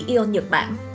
eon nhật bản